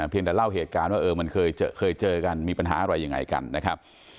แต่เล่าเหตุการณ์ว่ามันเคยเจอกันมีปัญหาอะไรยังไงกันนะครับ